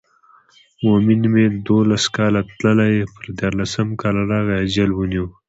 مومن مې دولس کاله تللی پر دیارلسم کال راغی اجل ونیو.